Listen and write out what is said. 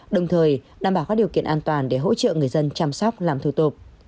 đồng thời đảm bảo các điều kiện an toàn để hỗ trợ người dân chăm sóc làm thủ tục